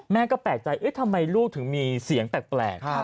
แม่ก็แปลกใจทำไมลูกถึงมีเสียงแปลก